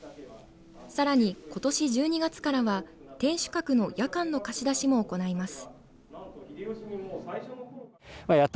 さらに、ことし１２月からは天守閣の夜間の貸し出しも行います。